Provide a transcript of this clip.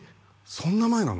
そんな前なの？